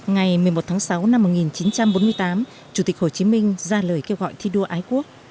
ngày một mươi một tháng sáu năm một nghìn chín trăm bốn mươi tám chủ tịch hồ chí minh ra lời kêu gọi thi đua ái quốc